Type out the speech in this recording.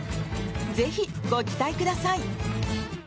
ぜひご期待ください！